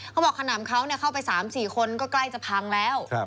เขาบอกขนามเขาเข้าไป๓๔คนก็ใกล้จะพังแล้ว